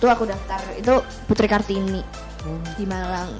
aku daftar itu putri kartini di malang